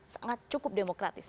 sangat cukup demokratis